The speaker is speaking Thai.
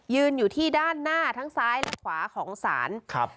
อยู่ที่ด้านหน้าทั้งซ้ายและขวาของศาลครับ